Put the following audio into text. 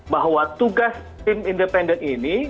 bahwa tugas tim independen ini